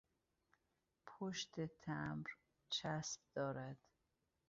پشت تمبر چسب دارد.